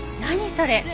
それ。